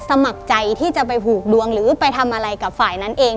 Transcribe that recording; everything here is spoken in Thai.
สมัครใจที่จะไปผูกดวงหรือไปทำอะไรกับฝ่ายนั้นเอง